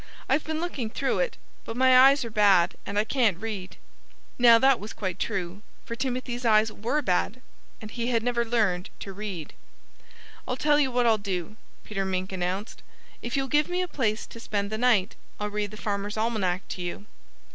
"I've been looking through it; but my eyes are bad and I can't read." Now that was quite true; for Timothy's eyes were bad and he had never learned to read. "I'll tell you what I'll do," Peter Mink announced. "If you'll give me a place to spend the night I'll read the Farmer's Almanac to you."